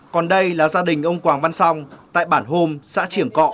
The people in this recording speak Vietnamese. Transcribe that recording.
còn đây là gia đình ông quảng văn song tại bản hôm xã triển cọ